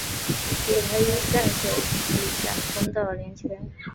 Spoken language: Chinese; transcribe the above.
月台与站舍以地下通道连结。